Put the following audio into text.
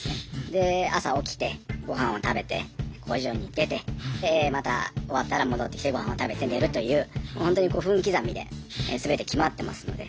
で朝起きてごはんを食べて工場に出てでまた終わったら戻ってきてごはんを食べて寝るというほんとに分刻みで全て決まってますので。